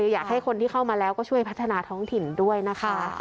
อยากให้คนที่เข้ามาแล้วก็ช่วยพัฒนาท้องถิ่นด้วยนะคะ